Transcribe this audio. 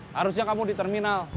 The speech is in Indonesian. harusnya kamu di terminal